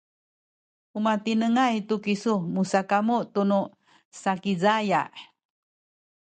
u matinengay tu kisu musakamu tunu Sakizaya